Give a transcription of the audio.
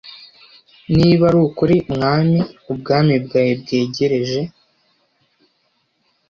niba ari ukuri mwami ubwami bwawe bwegereje